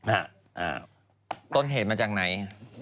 ต้นเหตุมาจากไหน